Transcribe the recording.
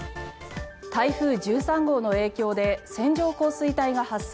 台風１３号の影響で線状降水帯が発生。